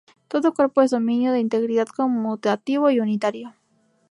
Todo cuerpo es dominio de integridad conmutativo y unitario.